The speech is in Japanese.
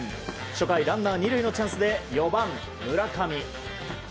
初回ランナー２塁のチャンスで４番、村上。